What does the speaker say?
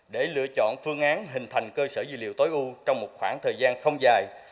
để lựa chọn phương án hình thành cơ sở dữ liệu tối ưu trong một khoảng thời gian không dài